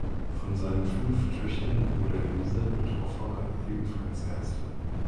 Von seinen fünf Töchtern wurde Elisabeth Hoffa ebenfalls Ärztin.